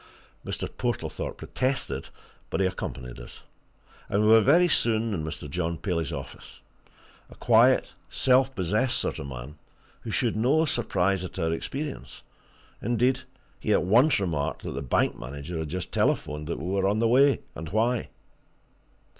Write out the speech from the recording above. Mr. Portlethorpe protested but he accompanied us. And we were very soon in Mr. John Paley's office a quiet, self possessed sort of man who showed no surprise at our appearance; indeed, he at once remarked that the bank manager had just telephoned that we were on the way, and why.